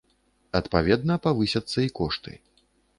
Адпаведна, павысяцца і кошты.